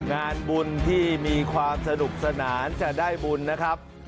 งานบุญที่มีความสนุกสนานจะได้บุญนะครับ